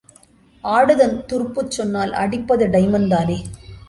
ஆடுதன் துருப்புச் சொன்னால் அடிப்பது டைமன் தானே?